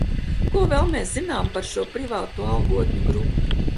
Ko vēl mēs zinām par šo privāto algotņu grupu?